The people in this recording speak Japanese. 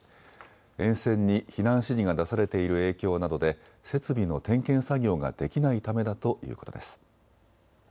沿線に避難指示が出されている影響などで設備の点検作業ができないためだということです。